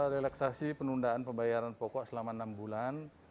relaksasi penundaan pembayaran pokok selama enam bulan